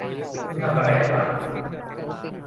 คุณทำอะไรได้บ้าง ?